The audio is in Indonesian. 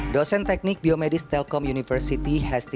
hahaha dosen teknik biomedis telkom university hesti susana